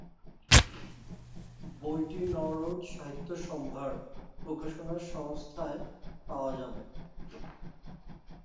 বইটি নওরোজ সাহিত্য সম্ভার প্রকাশনা সংস্থায় পাওয়া যাবে।